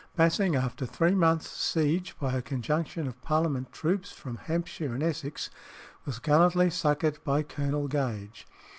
Basing, after three months' siege by a conjunction of Parliament troops from Hampshire and Essex, was gallantly succoured by Colonel Gage.